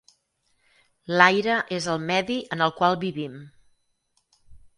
L'aire és el medi en el qual vivim.